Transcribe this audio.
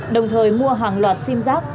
đồng thời mua hàng loạt sim giáp